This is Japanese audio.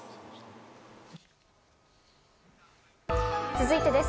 続いてです。